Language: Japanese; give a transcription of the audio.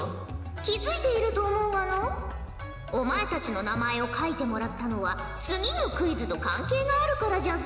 気付いていると思うがのうお前たちの名前を書いてもらったのは次のクイズと関係があるからじゃぞ。